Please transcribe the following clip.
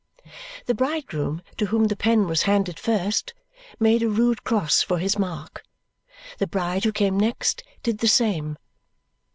The bridegroom, to whom the pen was handed first, made a rude cross for his mark; the bride, who came next, did the same.